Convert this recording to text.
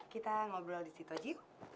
kita ngobrol di situ aja bu